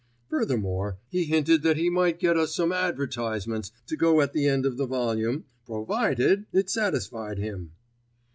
Furthermore he hinted that he might get us some advertisements to go at the end of the volume, provided it satisfied him!